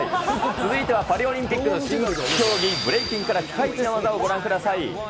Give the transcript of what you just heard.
続いてはパリオリンピックの新競技、ブレイキンから、ピカイチな技をご覧ください。